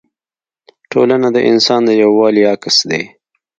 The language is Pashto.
ټولنه د انسان د یووالي عکس دی.